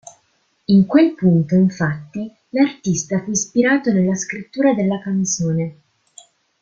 In quel punto, infatti, l'artista fu ispirato nella scrittura della canzone.